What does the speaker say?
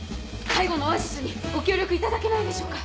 「介護のオアシス」にご協力いただけないでしょうか。